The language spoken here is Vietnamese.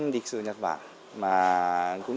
lịch sử nhật bản